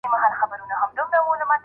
مور باید د لور پلانونه له منځه یونه سي.